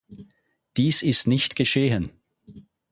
Dies ist nicht geschehen.